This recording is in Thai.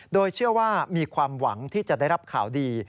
โดยเชื่อว่ามีความหวังที่จะได้รับข่าวดี